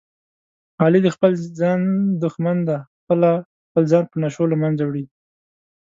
علي د خپل ځان دښمن دی، خپله خپل ځان په نشو له منځه وړي.